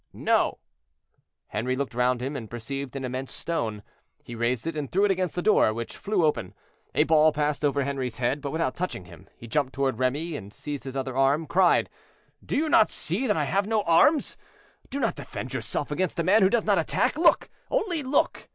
"—"No." Henri looked round him, and perceived an immense stone. He raised it and threw it against the door, which flew open. A ball passed over Henri's head, but without touching him; he jumped toward Remy, and seizing his other arm, cried, "Do you not see that I have no arms? do not defend yourself against a man who does not attack. Look! only look!"